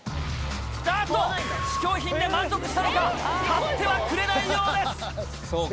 あーっと、試供品で満足したのか、買ってはくれないようです。